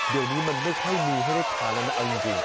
เดี๋ยวนี้มันไม่ค่อยมีให้ได้ทานแล้วนะเอาจริง